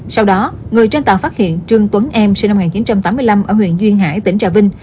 sau đó người trên tàu phát hiện trương tuấn em sinh năm một nghìn chín trăm tám mươi năm ở huyện duyên hải tỉnh trà vinh